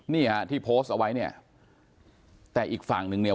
นี่ฮะที่โพสต์เอาไว้เนี่ยแต่อีกฝั่งนึงเนี่ย